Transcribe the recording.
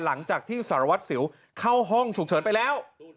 หลังจากที่สารวัตรสิวเข้าห้องฉุกเฉินไปแล้ว